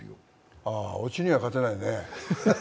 オチには勝てないね。